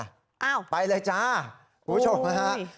อ้าวไปเลยจ้าผู้ชมนะครับ